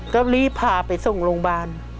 ก็รีบพาไปส่งโรงพยาบาล